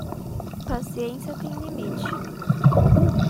Paciência tem limite